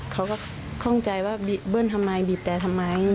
เขาก็ข้องใจว่าเบิ้ลทำไมบีบแต่ทำไม